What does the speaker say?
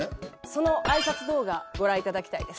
その挨拶動画ご覧いただきたいです。